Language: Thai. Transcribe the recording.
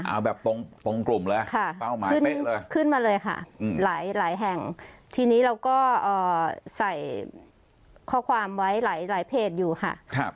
เอาแบบตรงกลุ่มเลยเป้าหมายเป๊ะเลยขึ้นมาเลยค่ะหลายหลายแห่งทีนี้เราก็ใส่ข้อความไว้หลายเพจอยู่ค่ะ